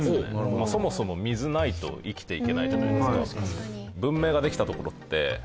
そもそも水がないと生きていけないじゃないですか。